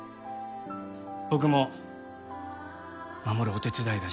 僕も守るお手伝いがしたい。